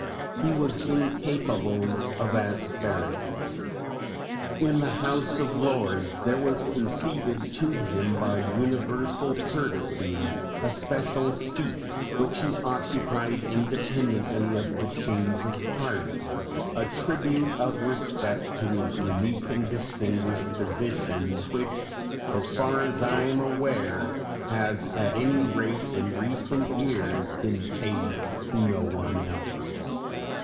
He was incapable of asperity. In the House of Lords there was conceded to him by universal courtesy a special seat which he occupied independently of the change of parties, a tribute of respect to his unique and distinguished position which as far as I am aware has at any rate in recent years been paid to no one else.